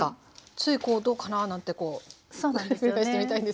ついどうかななんてこうひっくり返してみたいんですけど。